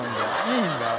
いいんだ。